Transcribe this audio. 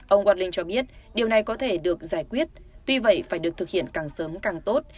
ông wardlin cho biết điều này có thể được giải quyết tuy vậy phải được thực hiện càng sớm càng tốt